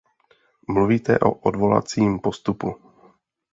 Mluvíte o odvolacím postupu.